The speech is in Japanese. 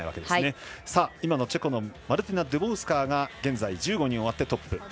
チェコのマルティナ・ドゥボウスカーが現在１５人終わってトップ。